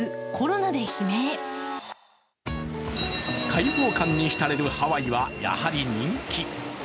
開放感にひたれるハワイはやはり人気。